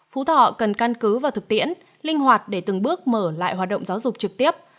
phú thọ cần căn cứ vào thực tiễn linh hoạt để từng bước mở lại hoạt động giáo dục trực tiếp